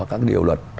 các điều luật